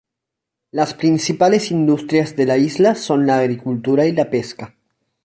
Las principales industrias de la isla son la agricultura y la pesca.